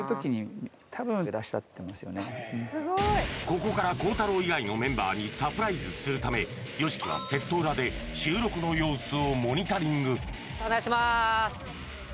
僕ここから孝太郎以外のメンバーにサプライズするためＹＯＳＨＩＫＩはセット裏で収録の様子をモニタリングお願いします